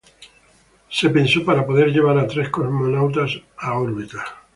Se pensó para poder llevar a tres cosmonautas a órbita.